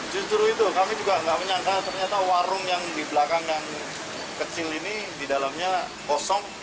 justru itu kami juga tidak menyangka ternyata warung yang di belakang yang kecil ini di dalamnya kosong